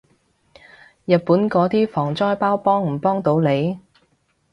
日本嗰啲防災包幫唔幫到你？